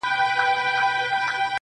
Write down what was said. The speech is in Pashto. خو وجدان يې ورسره دی تل،